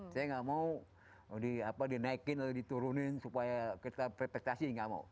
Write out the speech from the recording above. saya enggak mau di naikin atau diturunin supaya kita prestasi enggak mau